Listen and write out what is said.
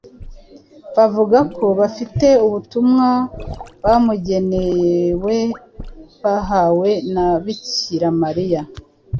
bavuga ko bafite ubutumwa bumugenewe bahawe na Bikira Mariya .